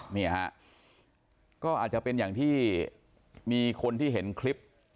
นี่ฮะก็อาจจะเป็นอย่างที่มีคนที่เห็นคลิป